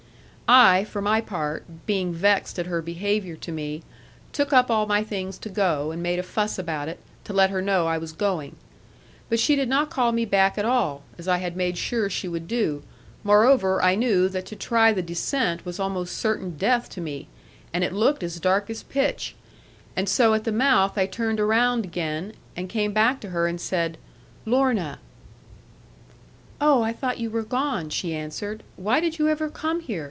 I, for my part, being vexed at her behaviour to me, took up all my things to go, and made a fuss about it; to let her know I was going. But she did not call me back at all, as I had made sure she would do; moreover, I knew that to try the descent was almost certain death to me, and it looked as dark as pitch; and so at the mouth I turned round again, and came back to her, and said, 'Lorna.' 'Oh, I thought you were gone,' she answered; 'why did you ever come here?